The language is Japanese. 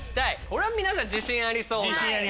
これは皆さん自信ありそうな。